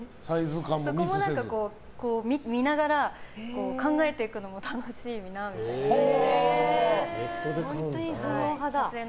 そこも見ながら考えていくのも楽しいなみたいな。